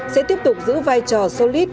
sẽ tiếp tục giữ vai trò solid